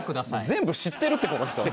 全部知ってるってこの人。